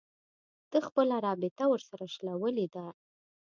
ده خپله رابطه ورسره شلولې ده